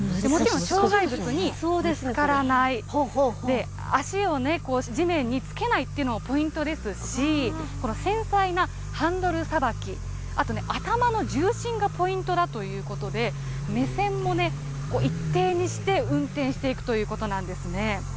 障害物にぶつからないで、足を地面につけないっていうのもポイントですし、この繊細なハンドルさばき、あとね、頭の重心がポイントだということで、目線も一定にして運転していくということなんですね。